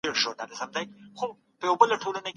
ادبیات د منځپانګي له مخي پر بېلابېلو برخو وېشل سوي دي.